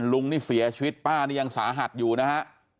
ลุงนี่เสียชีวิตป้านี่ยังสาหัสอยู่นะฮะ